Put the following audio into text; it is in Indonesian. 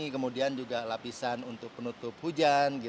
kemudian juga lapisan untuk penutup hujan